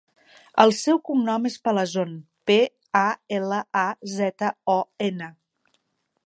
El seu cognom és Palazon: pe, a, ela, a, zeta, o, ena.